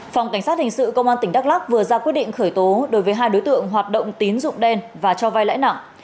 phòng cảnh sát hình sự công an tỉnh đắk lắc vừa ra quyết định khởi tố đối với hai đối tượng hoạt động tín dụng đen và cho vai lãi nặng